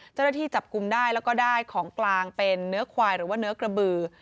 เจ้าหน้าที่จับกลุ่มได้แล้วก็ได้ของกลางเป็นเนื้อควายหรือว่าเนื้อกระบือ